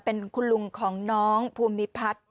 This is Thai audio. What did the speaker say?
เป็นคุณลุงของน้องภูมิพัฒน์